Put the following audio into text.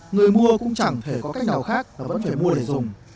người mua cũng chẳng thể có cách nào khác là vẫn phải mua để dùng